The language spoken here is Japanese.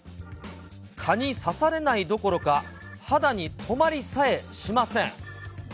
蚊に刺されないどころか、肌に止まりさえしません。